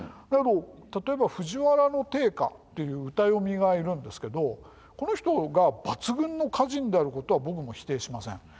だけど例えば藤原定家っていう歌詠みがいるんですけどこの人が抜群の歌人であることは僕も否定しません。